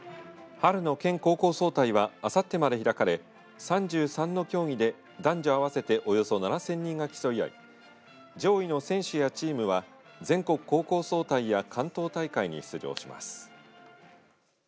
春の県高校総体はあさってまで開かれ３３の競技で男女合わせておよそ７０００人が競い合い上位の選手やチームは全国高校総体や関東大会に出場します。